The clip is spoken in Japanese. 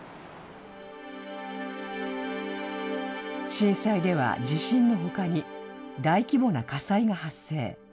震災では地震のほかに大規模な火災が発生。